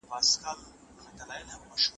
د ژبپوهنې پوهه په ادبي څېړنو کې پکاریږي.